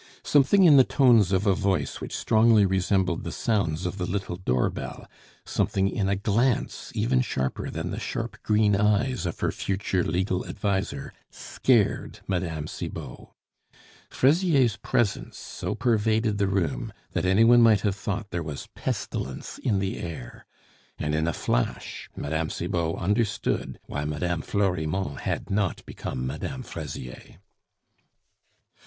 Something in the tones of a voice which strongly resembled the sounds of the little door bell, something in a glance even sharper than the sharp green eyes of her future legal adviser, scared Mme. Cibot. Fraisier's presence so pervaded the room, that any one might have thought there was pestilence in the air; and in a flash Mme. Cibot understood why Mme. Florimond had not become Mme. Fraisier.